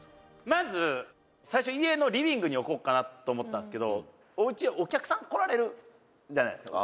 「まず最初家のリビングに置こうかなと思ったんですけどおうちお客さん来られるじゃないですか」